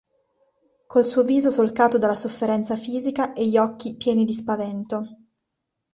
Col suo viso solcato dalla sofferenza fisica e gli occhi pieni di spavento.